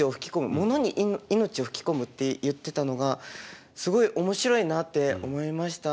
ものに命を吹き込むって言ってたのがすごい面白いなって思いました。